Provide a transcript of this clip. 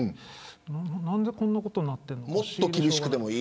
何でこんなことになってるのか。